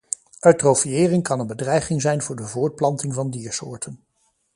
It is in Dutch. Eutrofiëring kan een bedreiging zijn voor de voortplanting van diersoorten.